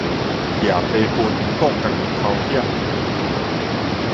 攑耙柫摃家己頭額